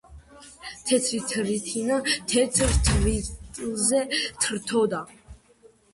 თეთრი თრითინა თეთრ თრთვილზე თრთოდა